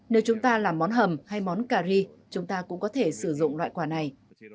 nếu chúng ta làm món hầm hay món curry chúng ta cũng có thể sử dụng loại quả này